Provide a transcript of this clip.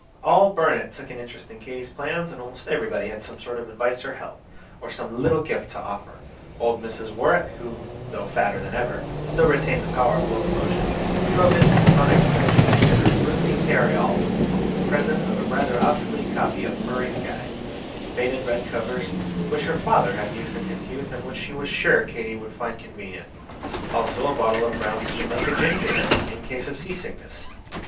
All Burnet took an interest in Katy's plans, and almost everybody had some sort of advice or help, or some little gift to offer. Old Mrs. Worrett, who, though fatter than ever, still retained the power of locomotion, drove in from Conic Section in her roomy carryall with the present of a rather obsolete copy of "Murray's Guide," in faded red covers, which her father had used in his youth, and which she was sure Katy would find convenient; also a bottle of Brown's Jamaica Ginger, in case of sea sickness.